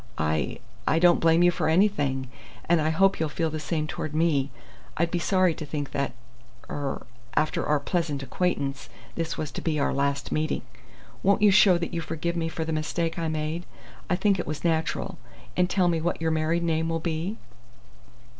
I I don't blame you for anything, and I hope you'll feel the same toward me. I'd be sorry to think that er after our pleasant acquaintance this was to be our last meeting. Won't you show that you forgive me for the mistake I made I think it was natural and tell me what your married name will be?"